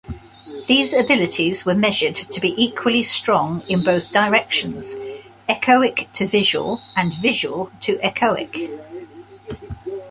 These abilities were measured to be equally strong in both directions, echoic-to-visual, and visual-to-echoic.